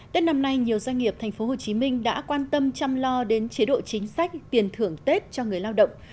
tết năm nay nhiều doanh nghiệp tp hcm đã quan tâm chăm lo đến chế độ chính sách tiền thưởng tết cho người lao động